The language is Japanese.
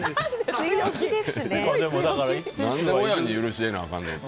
なんで親に許し得なあかんねん。